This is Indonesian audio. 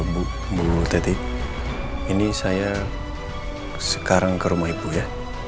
bu teti ini saya sekarang ke rumah ibu ya